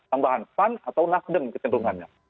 tambahan pan atau nasdem kecenderungannya